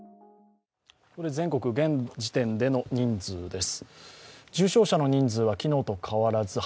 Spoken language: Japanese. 全国、現時点での人数です。